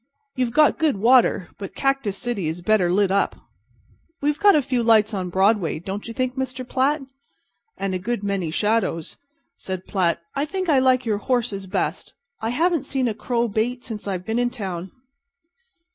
You've got good water, but Cactus City is better lit up." "We've got a few lights on Broadway, don't you think, Mr. Platt?" "And a good many shadows," said Platt. "I think I like your horses best. I haven't seen a crow bait since I've been in town."